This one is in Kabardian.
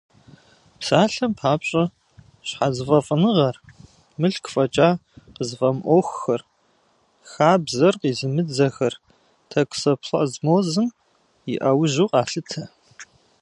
Псалъэм папщӏэ, щхьэзыфӏэфӏыныгъэр, мылъку фӏэкӏа къызыфӏэмыӏуэхухэр, хабзэр къизымыдзэхэр токсоплазмозым и ӏэужьу къалъытэ.